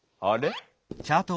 あれ？